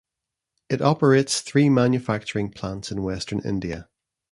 It operates three manufacturing plants in Western India.